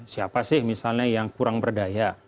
siapa sih misalnya yang kurang berdaya